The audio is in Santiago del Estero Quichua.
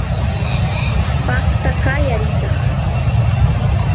paqta qaya risaq